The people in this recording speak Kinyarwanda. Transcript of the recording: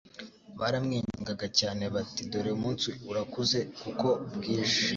baramwinginga cyane bati: "Dore umunsi urakuze kuko bwije.